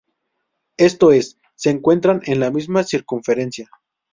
Esto es, se encuentran en la misma circunferencia.